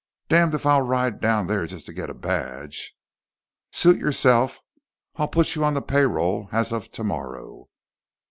"Damned if I'll ride down there just to get a badge." "Suit yourself. I'll put you on the payroll as of tomorrow."